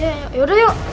eh yaudah yuk